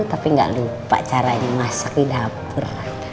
tapi nggak lupa caranya masak di dapur